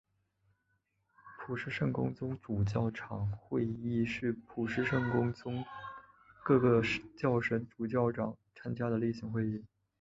普世圣公宗主教长会议是普世圣公宗各个教省主教长参加的例行会议。